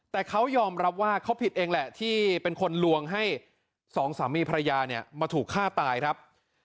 แต่เขายอมรับว่าเขาผิดเองแหละที่เป็นคนลวงให้สองสามีภรรยาเนี่ยมาถูกฆ่าตายครับ